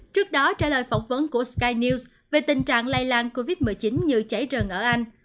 trước đó trả lời phỏng vấn của sky news về tình trạng lây lan covid một mươi chín như cháy rừng ở anh